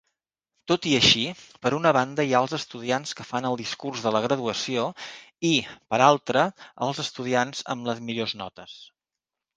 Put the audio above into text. Tot i així, per una banda hi ha els estudiants que fan el discurs de la graduació i, per l'altra, els estudiants amb les millors notes.